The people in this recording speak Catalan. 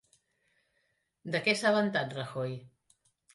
De què s'ha vantat Rajoy?